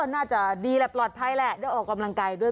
น่าจะดีแหละปลอดภัยแหละได้ออกกำลังกายด้วย